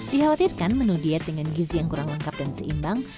dikhawatirkan menu diet dengan gizi yang kurang lengkap dan seimbang